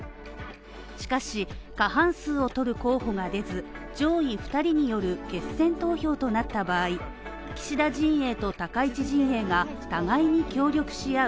しかし、過半数を取る候補が出ず、上位２人による決選投票となった場合、岸田陣営と高市陣営が互いに協力し合う